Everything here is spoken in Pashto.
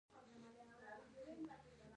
هغوی د نجونو هیلې ځنډولې.